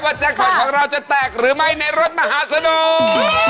ว่าจังหวัดของเราจะแตกหรือไม่ในรถมหาสนุก